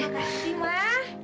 ya makasih mak